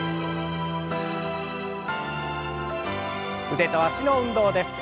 腕と脚の運動です。